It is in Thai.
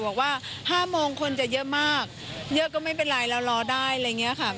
บอกว่า๕โมงคนจะเยอะมากเยอะก็ไม่เป็นไรเรารอได้อะไรอย่างนี้ค่ะ